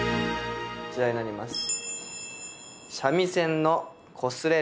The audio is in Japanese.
こちらになります。